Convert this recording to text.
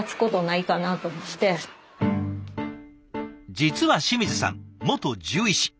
実は清水さん元獣医師。